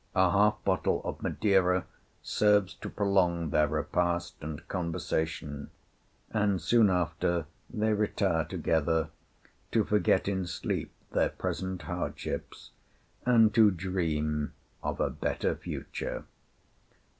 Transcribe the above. A half bottle of Madeira serves to prolong their repast and conversation, and soon after they retire together, to forget in sleep their present hardships, and to dream of a better future.